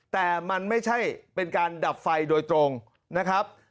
แต่มันไม่ใช่เป็นการดับไฟโดยตรงนะครับ